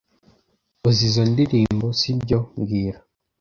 Uzi izoi ndirimbo, sibyo mbwira